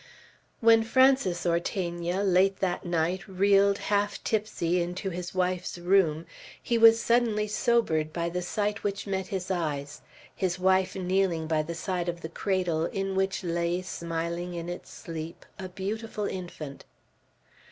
When Francis Ortegna, late that night, reeled, half tipsy, into his wife's room, he was suddenly sobered by the sight which met his eyes, his wife kneeling by the side of the cradle, in which lay, smiling in its sleep, a beautiful infant.